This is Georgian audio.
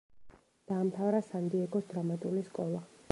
დაამთავრა სან-დიეგოს დრამატული სკოლა.